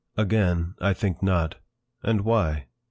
Again, I think, not. And why?